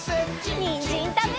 にんじんたべるよ！